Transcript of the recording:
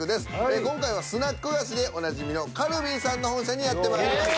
今回はスナック菓子でおなじみの「カルビー」さんの本社にやってまいりました。